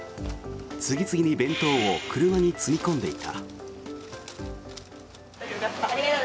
次々に弁当を車に積み込んでいた。